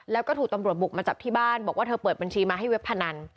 แล้วก็ถูกตำรวจบุกมาจับที่บ้านบอกว่าเธอเปิดบัญชีมาให้เว็บพนัน